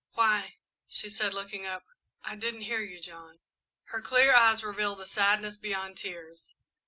"Why," she said, looking up, "I didn't hear you, John." Her clear eyes revealed a sadness beyond tears.